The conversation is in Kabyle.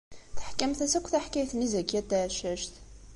Teḥkamt-as akk taḥkayt-nni i Zakiya n Tɛeccact.